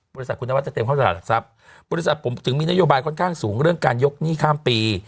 บริษัทคุณนวัฒจะเต็มเข้าตลาดหลักทรัพย์บริษัทผมถึงมีนโยบายค่อนข้างสูงเรื่องการยกหนี้ข้ามปี